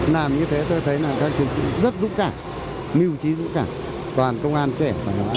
làm như thế tôi thấy là các chiến sĩ rất dũng cảm mưu trí dũng cảm toàn công an trẻ và nhỏ